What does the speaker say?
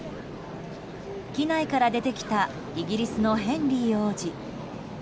機内から出てきたイギリスのヘンリー王子。